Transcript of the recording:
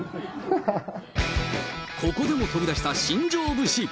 ここでも飛び出した新庄節。